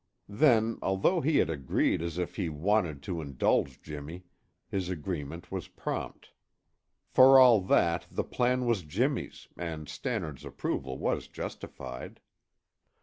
Then, although he had agreed as if he wanted to indulge Jimmy, his agreement was prompt. For all that, the plan was Jimmy's and Stannard's approval was justified.